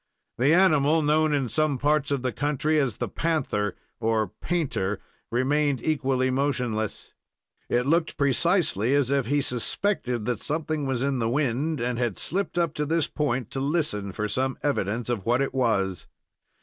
The animal, known in some parts of the country as the panther, or "painter," remained equally motionless. It looked precisely as if he suspected that something was in the wind and had slipped up to this point to listen for some evidence of what it was.